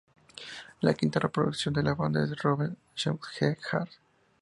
La quinta producción de la banda es Rebel Sweetheart.